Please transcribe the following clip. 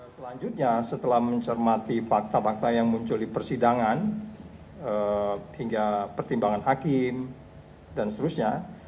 selanjutnya setelah mencermati fakta fakta yang muncul di persidangan hingga pertimbangan hakim dan seterusnya